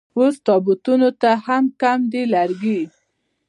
اوس تابوتونو ته هم کم دي لرګي